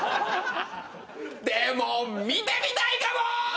でも見てみたいかもー！